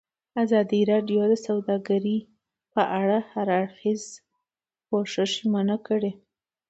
ازادي راډیو د سوداګري په اړه د هر اړخیز پوښښ ژمنه کړې.